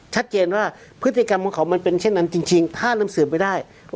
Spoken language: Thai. ชัดเจนว่าพฤติกรรมของเขามันเป็นเช่นนั้นจริงถ้านำสืบไปได้